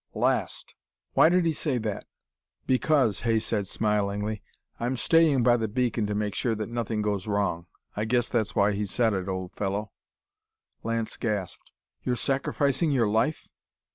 Last. Why did he say that?" "Because," Hay said smilingly, "I'm staying by the beacon to make sure that nothing goes wrong. I guess that's why he said it, old fellow...." Lance gasped: "You're sacrificing your life?"